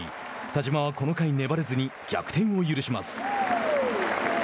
田嶋は、この回、粘れずに逆転を許します。